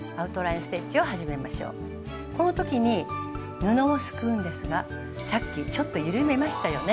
この時に布をすくうんですがさっきちょっと緩めましたよね。